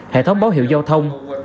hệ thống báo hiệu giao thông